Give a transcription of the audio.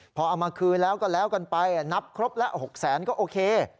พอเอามาคืนแล้วก็แล้วกันไปนับครบแล้ว๖แสนก็โอเค